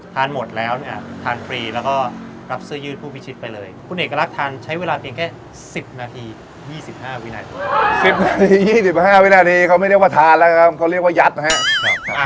๒๕วินาทีเขาไม่ได้ว่าทานแล้วนะครับเขาเรียกว่ายัดนะฮะ